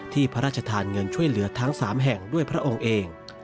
พระราชทานเงินช่วยเหลือทั้ง๓แห่งด้วยพระองค์เอง